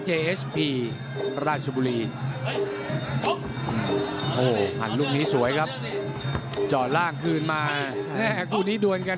ครับครับครับครับครับครับครับครับครับครับครับครับ